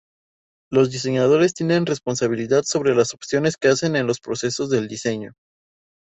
Los diseñadores tienen responsabilidad sobre las opciones que hacen en los procesos del diseño.